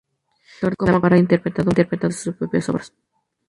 Como actor, De la Parra ha interpretado muchas de sus propias obras.